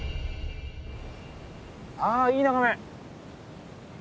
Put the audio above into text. あいい眺め。